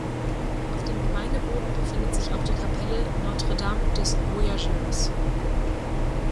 Auf dem Gemeindeboden befindet sich auch die Kapelle Notre Dame des Voyageurs.